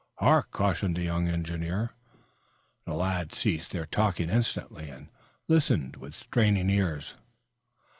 "Hark!" cautioned the young engineer. The lads ceased their talking instantly and listened with straining ears.